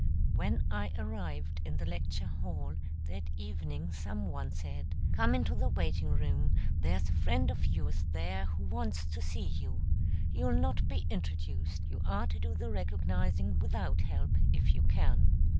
When I arrived in the lecture hall that evening some one said: "Come into the waiting room; there's a friend of yours there who wants to see you. You'll not be introduced you are to do the recognizing without help if you can."